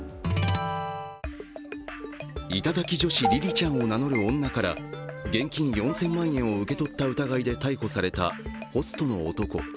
頂き女子りりちゃんを名乗る女から現金４０００万円を受け取った疑いで逮捕された、ホストの男。